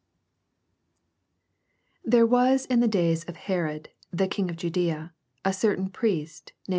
6 rhere was in the days of Herod, the kinff of Judiea, a certain Priest named